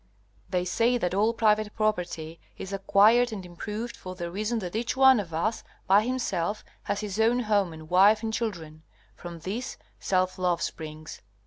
They say that all private property is acquired and improved for the reason that each one of us by himself has his own home and wife and children. From this, self love springs.